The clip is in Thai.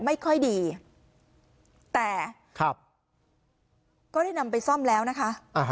ไม่ค่อยดีแต่ก็ได้นำไปซ่อมแล้วนะคะ